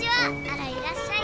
「あらいらっしゃい」。